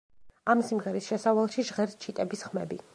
ამ სიმღერის შესავალში ჟღერს ჩიტების ხმები.